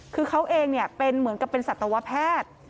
คือเขาเองเป็นเหมือนกับเป็นสัตวแพทย์